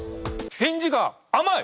返事が甘い！